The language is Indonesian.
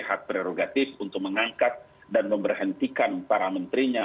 hak prerogatif untuk mengangkat dan memberhentikan para menterinya